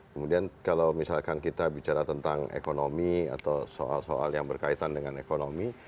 kemudian kalau misalkan kita bicara tentang ekonomi atau soal soal yang berkaitan dengan ekonomi